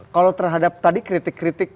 kalau terhadap tadi kritik kritik